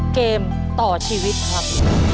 เกมต่อชีวิตครับ